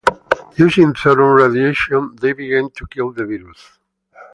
Using thoron radiation, they begin to kill the virus.